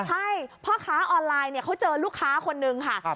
ใช่พ่อค้าออนไลน์เนี่ยเขาเจอลูกค้าคนนึงค่ะ